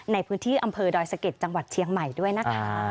ในพื้นที่อำเภอดอยสะเก็ดจังหวัดเชียงใหม่ด้วยนะคะ